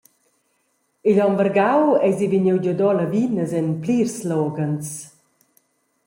Igl onn vargau eisi vegniu giuadora lavinas en plirs loghens.